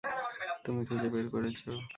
তুমি খুঁজে বের করেছো।